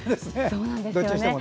そうなんですよね。